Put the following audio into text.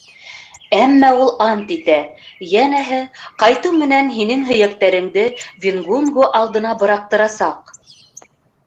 Әммә ул ант итә, йәнәһе, ҡайтыу менән һинең һөйәктәреңде Венгунгу алдына быраҡтырасаҡ.